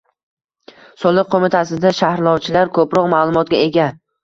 Soliq qo'mitasida sharhlovchilar ko'proq ma'lumotga ega